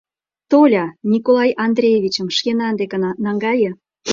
Толя, Николай Андреевичым шкенан декына наҥгае.